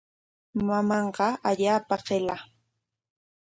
Mamanqa allaapa qilla.